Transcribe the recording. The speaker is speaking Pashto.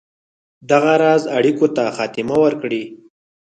دغه راز اړېکو ته خاتمه ورکړي.